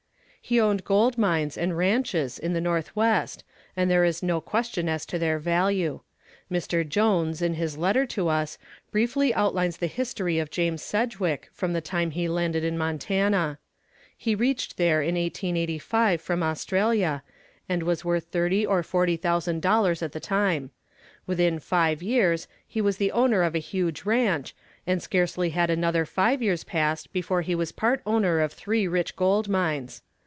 "He owned gold mines and ranches in the Northwest and there is no question as to their value. Mr. Jones, in his letter to us, briefly outlines the history of James Sedgwick from the time he landed in Montana. He reached there in 1885 from Australia, and he was worth thirty or forty thousand dollars at the time. Within five years he was the owner of a huge ranch, and scarcely had another five years passed before he was part owner of three rich gold mines.